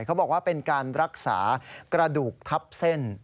เขาบอกว่าเป็นการรักษากระดูกทับเส้น